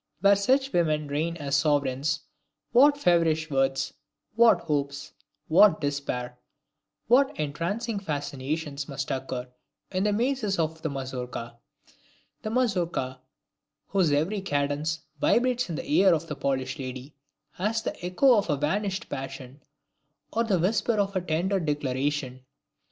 Where such women reign as sovereigns, what feverish words, what hopes, what despair, what entrancing fascinations must occur in the mazes of the Mazourka; the Mazourka, whose every cadence vibrates in the ear of the Polish lady as the echo of a vanished passion, or the whisper of a tender declaration.